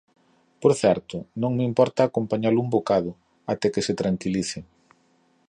Por certo: non me importa acompañalo un bocado, até que se tranquilice.